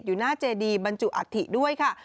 อยู่หน้าเจดีบรรจุอัฐิด้วยค่ะ